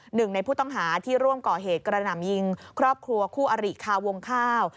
หนึ่งในผู้ต้องหาที่ร่วมก่อเหตุกระหน่ำยิงครอบครัวคู่อริคาวงข้าว